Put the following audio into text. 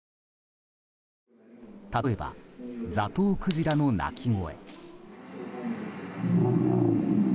例えば、ザトウクジラの鳴き声。